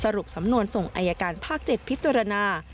สรุปสำนวนส่งอายการภาค๗พิจารณา